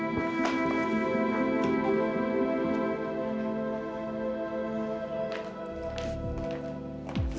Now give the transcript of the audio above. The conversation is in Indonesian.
aduh non aku ke belakang dulu ya